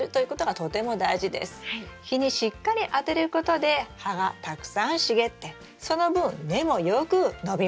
日にしっかり当てることで葉がたくさん茂ってその分根もよく伸びます。